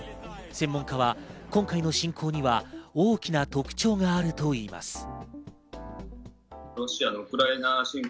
専門家は今回の侵攻には大きな特徴があるといいます。